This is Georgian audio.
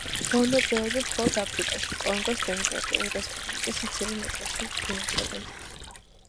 ბონობოები მხოლოდ აფრიკაში, კონგოს დემოკრატიული რესპუბლიკის მცირე ნაწილში ბინადრობენ.